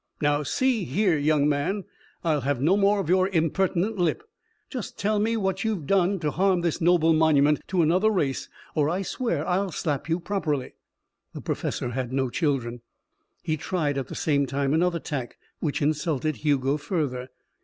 "Now, see here, young man, I'll have no more of your impertinent lip. Tell me just what you've done to harm this noble monument to another race, or, I swear, I'll slap you properly." The professor had no children. He tried, at the same time, another tack, which insulted Hugo further.